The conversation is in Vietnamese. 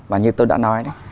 và như tôi đã nói